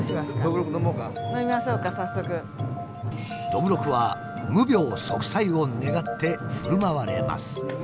どぶろくは無病息災を願ってふるまわれます。